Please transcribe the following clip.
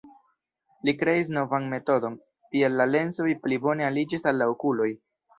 Li kreis novan metodon, tial la lensoj pli bone aliĝis al la okuloj.